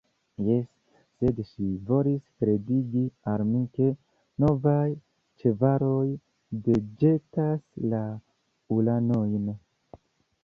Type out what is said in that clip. Jes, sed ŝi volis kredigi al mi, ke novaj ĉevaloj deĵetas la ulanojn.